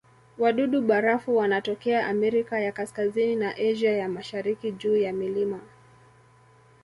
Wadudu-barafu wanatokea Amerika ya Kaskazini na Asia ya Mashariki juu ya milima.